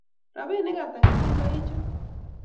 robinik hata kijigoichu?